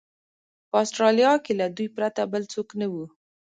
په اسټرالیا کې له دوی پرته بل څوک نه و.